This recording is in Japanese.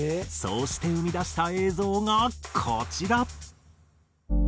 そうして生み出した映像がこちら。